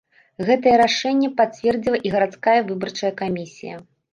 Гэтае рашэнне пацвердзіла і гарадская выбарчая камісія.